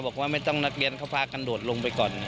บอกว่าไม่ต้องนักเรียนเขาพากันโดดลงไปก่อน